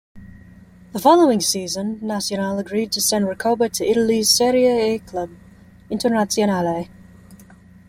The following season, Nacional agreed to send Recoba to Italy's Serie A club Internazionale.